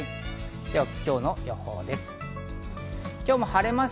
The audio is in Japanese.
では今日の予報です。